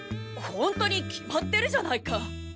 ほんとに決まってるじゃないか。